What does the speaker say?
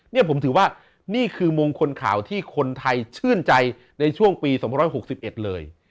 นี่ผมถือว่านี่คือมงคลข่าวที่คนไทยชื่นใจในช่วงปี๒๖๑เลย